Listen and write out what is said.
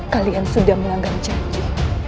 kalian sudah melanggar janji